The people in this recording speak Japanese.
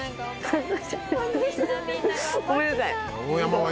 ごめんなさい。